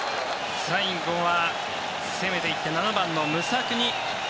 最後は攻めていって７番のムサクニ。